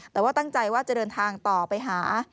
แต่ว่าตั้งใจว่าจะเดินทางต่อไปหา